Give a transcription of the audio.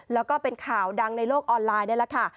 แล้วก็เป็นข่าวดังในโลกออนไลน์นี่แหละค่ะ